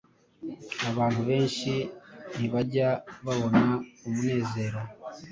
Abantu benshi ntibajya babona umunezero